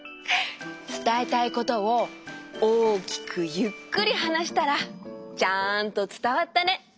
つたえたいことを大きくゆっくりはなしたらちゃんとつたわったね。